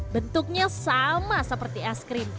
bentuknya sama seperti es krim